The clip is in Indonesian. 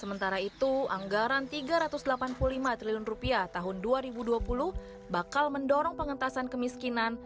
sementara itu anggaran rp tiga ratus delapan puluh lima triliun tahun dua ribu dua puluh bakal mendorong pengentasan kemiskinan